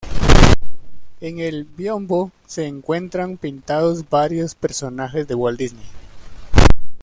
En el biombo se encuentran pintados varios personajes de Walt Disney.